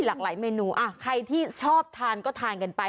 หลากหลายเมนูอ่ะใครที่ชอบทานก็ทานกันไป